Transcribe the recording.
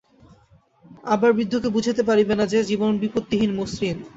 আবার বৃদ্ধকে বুঝাইতে পারিবে না যে, জীবন বিপত্তিহীন, মসৃণ।